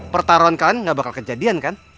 pertaruhan kalian gak bakal kejadian kan